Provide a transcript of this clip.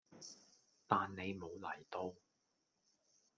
但你無嚟到